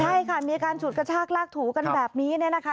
ใช่ค่ะมีการฉุดกระชากลากถูกันแบบนี้เนี่ยนะคะ